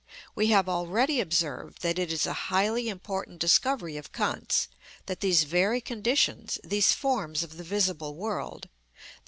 We have already observed that it is a highly important discovery of Kant's, that these very conditions, these forms of the visible world, _i.